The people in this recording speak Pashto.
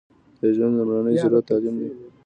د ژوند لمړنۍ ضرورت تعلیم دی